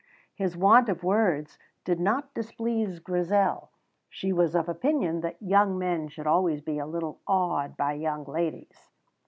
His want of words did not displease Grizel; she was of opinion that young men should always be a little awed by young ladies.